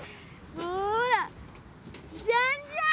ほらじゃんじゃん。